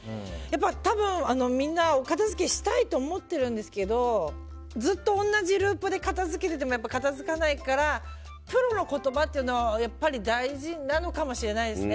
多分みんなお片付けしたいと思ってるんですけどずっと同じループで片付けていても片付かないからプロの言葉っていうのはやっぱり大事なのかもしれないですね。